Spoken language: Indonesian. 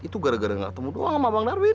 itu gara gara gak ketemu doang sama bang darwin